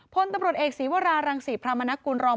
พลตำรวจเอกศีวรารังศรีพระมนกุลรอง